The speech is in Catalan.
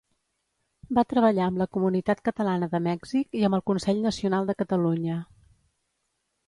Va treballar amb la Comunitat Catalana de Mèxic i amb el Consell Nacional de Catalunya.